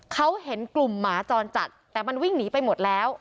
เขาเห็นกลุ่มหมาจรจัดแต่มันวิ่งหนีไปหมดแล้ว